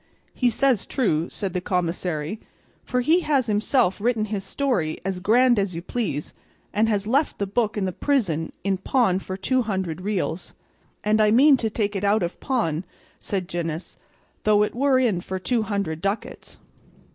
"He says true," said the commissary, "for he has himself written his story as grand as you please, and has left the book in the prison in pawn for two hundred reals." "And I mean to take it out of pawn," said Gines, "though it were in for two hundred ducats."